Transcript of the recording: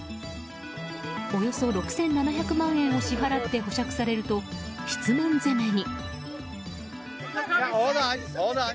およそ６７００万円を支払って保釈されると、質問攻めに。